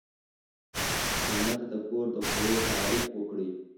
مېلمه ته د کور د خوړو تعریف وکړئ.